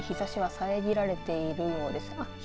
雲で日ざしは遮られているようです。